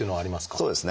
そうですね。